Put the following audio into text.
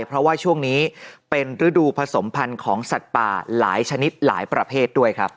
เพราะว่าช่วงนี้เป็นฤดูผสมพันธุ์ของสัตว์ป่าหลายชนิดหลายประเภทด้วยครับ